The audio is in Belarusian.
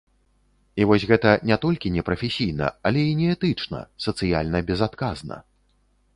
І вось гэта не толькі не прафесійна, але і не этычна, сацыяльна безадказна.